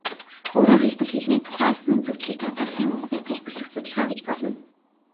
Өөрөөр хэлбэл, хэлний тухайлсан үзэгдлийг тооцооллын үүднээс тайлбарлах судалгаа гэж болно.